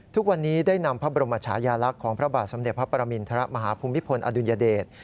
ทุกวันนี้ได้นำพระบรมชายาลักษณ์ของพระบาทสมเด็จพระปรมินทรมาฮภูมิพลอดุลยเดช